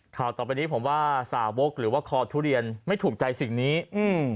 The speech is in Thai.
ต่อไปนี้ผมว่าสาวกหรือว่าคอทุเรียนไม่ถูกใจสิ่งนี้อืม